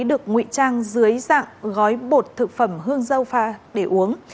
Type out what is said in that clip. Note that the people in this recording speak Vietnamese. được ngụy trang dưới dạng gói bột thực phẩm hương dâu pha để uống